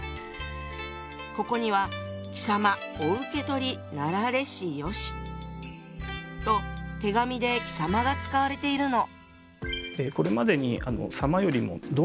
ここには「貴様御受け取りなられしよし」と手紙で「貴様」が使われているの。